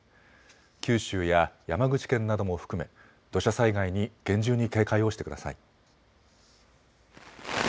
九州や山口県なども含め土砂災害に厳重に警戒をしてください。